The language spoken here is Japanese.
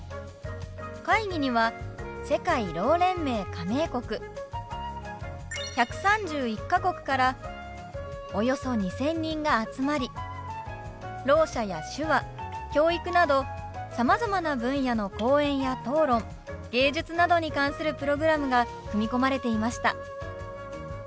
会議には世界ろう連盟加盟国１３１か国からおよそ２，０００人が集まりろう者や手話教育などさまざまな分野の講演や討論芸術などに関するプログラムが組み込まれていました。